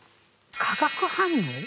化学反応。